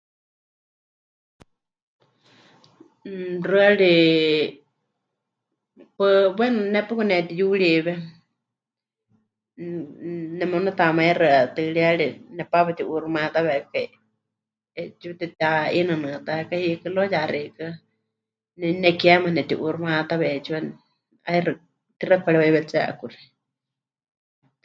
Xɨari paɨ, bueno ne paɨ pɨkanetiyuriwe, nemunetamaixɨa tɨɨriyari nepaapa pɨti'uuximayátawekai, 'eetsiwa tepɨteha'inɨnɨatákai hiikɨ luego ya xeikɨ́a, nepɨnekema nepɨti'uuximayátawe 'eetsiwa, 'aixɨ́, tixaɨ pɨkareuyewetsé 'akuxi.